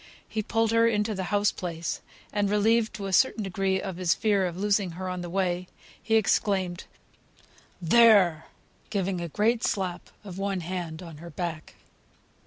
He pulled her into the house place; and relieved to a certain degree of his fear of losing her on the way, he exclaimed, "There!" giving a great slap of one hand on her back.